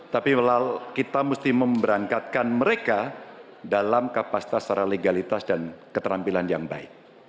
tapi kita mesti memberangkatkan mereka dalam kapasitas secara legalitas dan keterampilan yang baik